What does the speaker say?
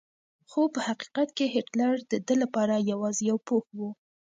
خو په حقیقت کې هېټلر د ده لپاره یوازې یو پوښ و.